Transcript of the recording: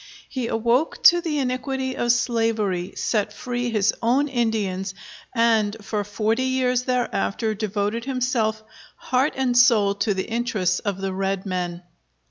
He awoke to the iniquity of slavery, set free his own Indians, and for forty years thereafter devoted himself heart and soul to the interests of the red men.